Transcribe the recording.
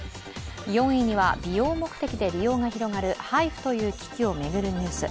４位には美容目的で利用が広がるＨＩＦＵという機器を巡るニュース。